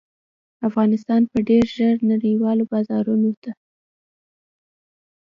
افغانستان به ډیر ژر نړیوالو بازارونو ته